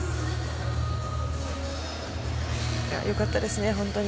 よかったですね、本当に。